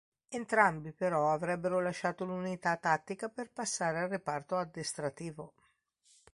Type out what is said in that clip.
Entrambi però avrebbero lasciato l'unità tattica per passare al reparto addestrativo.